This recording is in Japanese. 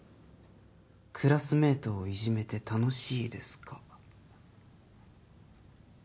クラスメイトをイジめて楽しいですか？